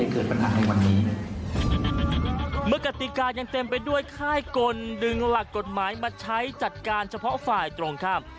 กฎหมายมาใช้จัดการเฉพาะฝ่ายตรงข้าม